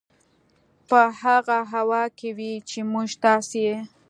په هغه هوا کې وي چې موږ تاسې یې